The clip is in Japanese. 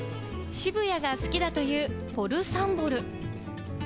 渋谷が好きだというポルサンボル。